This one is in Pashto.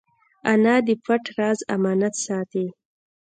انا د پټ راز امانت ساتي